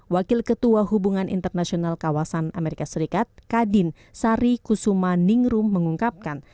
wakil ketua hubungan internasional kawasan amerika serikat kadin sari kusuma ningrum mengungkapkan